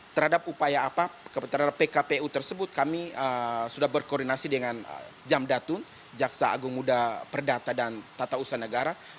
terhadap upaya pkpu tersebut kami sudah berkoordinasi dengan jamdatun jaksa agung muda perdata dan tata usaha negara